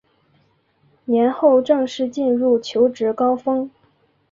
年后正式进入求职高峰